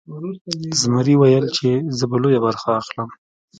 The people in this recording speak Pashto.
زمري ویل چې زه به لویه برخه اخلم.